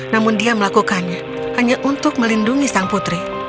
namun dia melakukannya hanya untuk melindungi sang putri